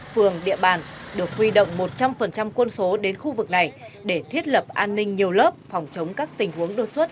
phường địa bàn được huy động một trăm linh quân số đến khu vực này để thiết lập an ninh nhiều lớp phòng chống các tình huống đột xuất